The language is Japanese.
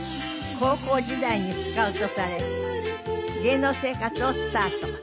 高校時代にスカウトされ芸能生活をスタート。